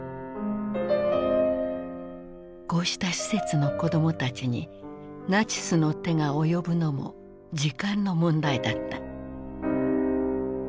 こうした施設の子どもたちにナチスの手が及ぶのも時間の問題だった。